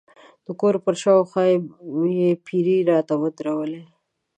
د کور پر شاوخوا یې پیرې راته ودرولې.